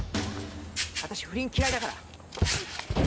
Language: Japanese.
わたし不倫嫌いだから。